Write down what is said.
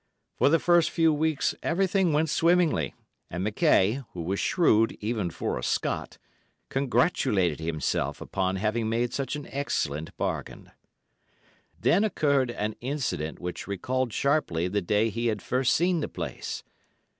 For the first few weeks everything went swimmingly, and McKaye, who was shrewd, even for a Scot, congratulated himself upon having made such an excellent bargain. Then occurred an incident which recalled sharply the day he had first seen the place.